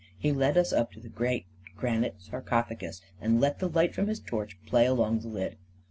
He led us up to the great gran ite sarcophagus and let the light from his torch play along the lid.